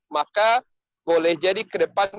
maka boleh jadi ke depan